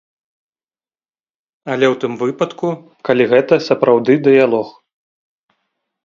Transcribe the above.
Але ў тым выпадку, калі гэта сапраўды дыялог.